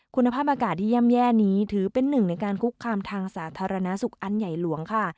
คุณภาพอากาศที่ย่ำแย่นี้ถือเป็นหนึ่งในการคุกคามทางสาธารณสุขอันใหญ่หลวงค่ะ